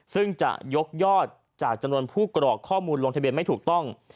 ซึ่งจะยกยอดจากจำนวนผู้กรอกข้อมูลลงทะเบียนไม่ถูกต้อง